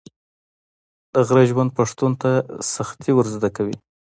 د غره ژوند پښتون ته سختي ور زده کوي.